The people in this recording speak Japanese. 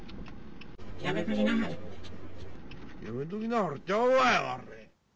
やめときなはれちゃうわい、われ！